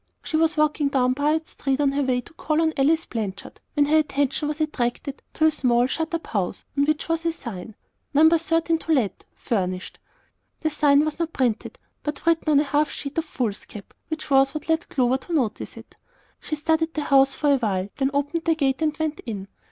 She was walking down Piute Street on her way to call on Alice Blanchard, when her attention was attracted to a small, shut up house, on which was a sign: "No. 13. To Let, Furnished." The sign was not printed, but written on a half sheet of foolscap, which was what led Clover to notice it. She studied the house a while, then opened the gate, and went in.